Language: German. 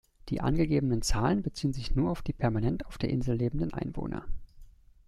Die angegebenen Zahlen beziehen sich nur auf die permanent auf der Insel lebenden Einwohner.